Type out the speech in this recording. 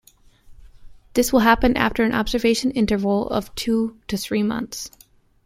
This will happen after an observation interval of two to three months.